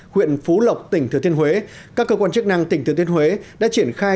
huyện phú lộc tỉnh thừa thiên huế các cơ quan chức năng tỉnh thừa thiên huế đã triển khai